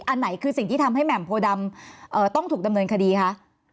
อันไหนคือสิ่งที่ทำให้แหม่มโพดำต้องถูกดำเนินคดีคะ